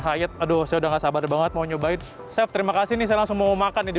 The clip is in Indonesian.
hyatt aduh sudah nggak sabar banget mau nyobain chef terima kasih nih saya langsung mau makan di